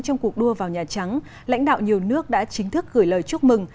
trong cuộc đua vào nhà trắng lãnh đạo nhiều nước đã chính thức gửi lời chúc mừng